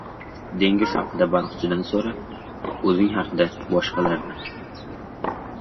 • Dengiz haqida baliqchidan so‘ra, o‘zing haqida — boshqalardan.